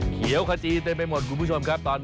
เขียวขจีเต็มไปหมดคุณผู้ชมครับ